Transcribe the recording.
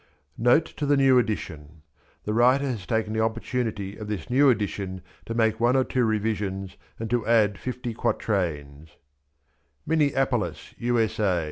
17 0ott to ti^c 0m emion TAe writer has taken the opportunity of this new edition to make one or two revisions^ and to addffty quatrains, MINNEAPOLIS, U. S. A.